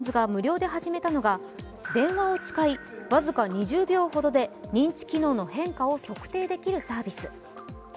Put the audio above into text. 昨日、ＮＴＴコミュニケーションズが無料で始めたのが電話を使い、僅か２０秒ほどで認知機能の変化を測定できるサービス。